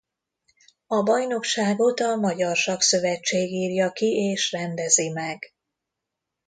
A bajnokságot a Magyar Sakkszövetség írja ki és rendezi meg.